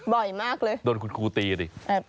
บ่อยมากเลยแอบแบบนี้โดนคุณครูตีดิ